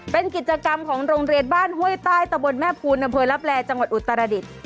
เป็นกิจกรรมของโรงเรียนบ้านห้วยใต้ตะบนแม่ภูนอำเภอลับแลจังหวัดอุตรดิษฐ์